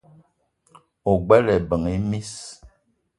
O gbele ebeng e miss :